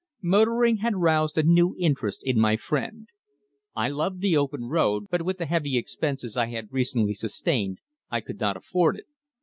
Motoring had roused a new interest in my friend. I loved the open road, but with the heavy expenses I had recently sustained I could not afford it.